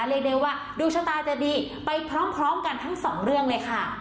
เรียกได้ว่าดวงชะตาจะดีไปพร้อมกันทั้งสองเรื่องเลยค่ะ